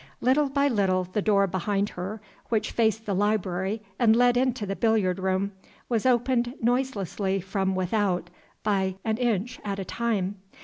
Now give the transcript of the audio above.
Little by little the door behind her which faced the library and led into the billiard room was opened noiselessly from without, by an inch at a time.